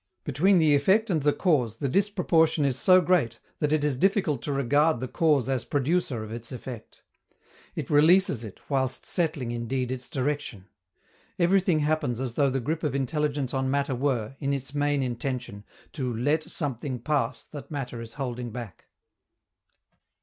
Between the effect and the cause the disproportion is so great that it is difficult to regard the cause as producer of its effect. It releases it, whilst settling, indeed, its direction. Everything happens as though the grip of intelligence on matter were, in its main intention, to let something pass that matter is holding back.